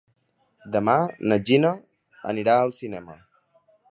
Demà na Gina anirà al cinema.